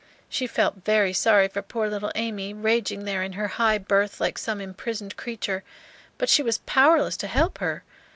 She felt very sorry for poor little Amy, raging there in her high berth like some imprisoned creature, but she was powerless to help her.